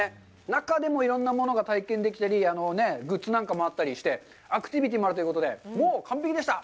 中でもいろんなものが体験できたりグッズなんかもあったりして、アクティビティもあるということで、もう完璧でした。